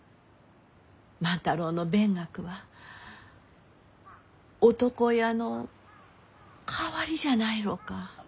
万太郎の勉学は男親の代わりじゃないろうか？